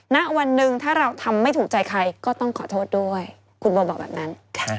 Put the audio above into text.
ณวันหนึ่งถ้าเราทำไม่ถูกใจใครก็ต้องขอโทษด้วยคุณโบบอกแบบนั้น